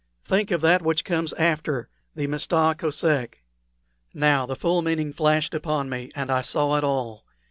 think of that which comes after the Mista Kosek!" Now the full meaning flashed upon me, and I saw it all.